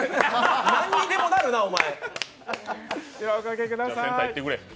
何にでもなるな、お前。